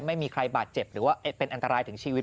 ไม่มีใครบาดเจ็บหรือว่าเป็นอันตรายถึงชีวิต